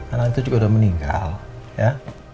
anak itu juga sudah meninggal ya